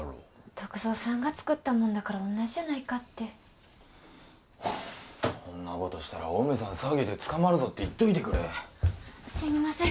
篤蔵さんが作ったもんだから同じじゃないかってほんなことしたらお梅さん詐欺で捕まるぞって言ってくれすみません